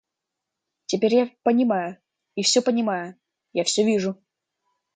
Теперь я понимаю, и всё понимаю, я всё вижу.